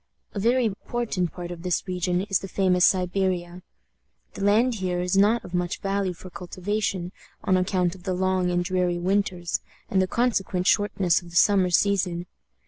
A very important part of this region is the famous Siberia. The land here is not of much value for cultivation, on account of the long and dreary winters and the consequent shortness of the summer season.